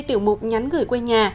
tiểu mục nhắn gửi quê nhà